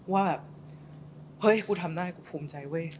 ว่าแบบเฮ้ยกูทำได้กูภูมิใจเว้ย